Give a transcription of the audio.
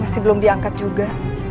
masih belum diangkat juga